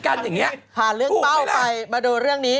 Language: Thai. พอล่ะนี่ละพาเรื่องเป้าไปมาดูเรื่องนี้